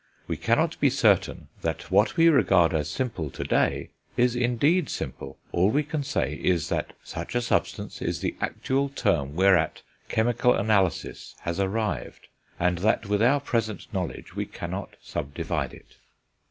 We cannot be certain that what we regard as simple to day is indeed simple; all we can say is, that such a substance is the actual term whereat chemical analysis has arrived, and that with our present knowledge we cannot sub divide it."